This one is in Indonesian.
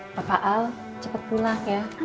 bapak al cepet pulang ya